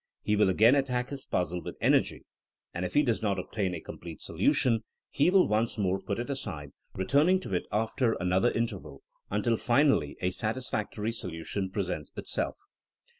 He will again attack his puzzle with energy. And if he does not obtain a complete solution he will once more put it aside, returning to it after another interval, until finally a satisfactory solution presents itself.